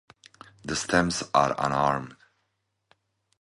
The stems are unarmed.